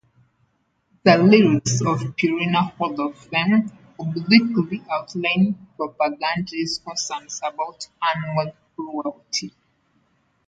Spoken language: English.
The lyrics of "Purina Hall of Fame" obliquely outline Propagandhi's concerns about animal cruelty.